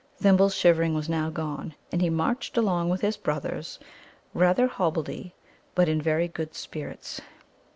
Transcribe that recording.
Thimble's shivering was now gone, and he marched along with his brothers, rather hobbledy, but in very good spirits.